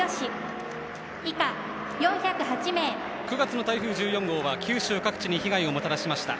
９月の台風１４号では九州各地に被害をもたらしました。